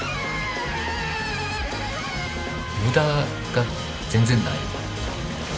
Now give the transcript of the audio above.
無駄が全然ない。